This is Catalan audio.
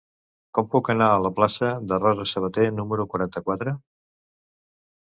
Com puc anar a la plaça de Rosa Sabater número quaranta-quatre?